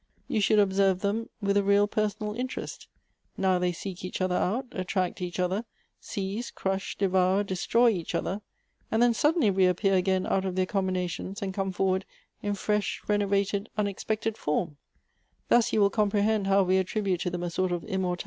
You should observe them with a real personal interest. Now they seek each other out, attract each other, seize, crush, devour, destroy each other, and then suddenly reappear again out of their combinations, and come forward in iresh, renovated, unexpected form ; thus you will comprehend how we attribute to them a sort of immort.